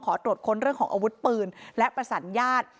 ขอตรวจค้นเรื่องของอาวุธปืนและประสานญาติ